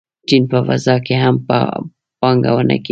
چین په فضا کې هم پانګونه کوي.